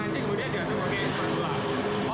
pakai panci kemudian diaduk pakai spatula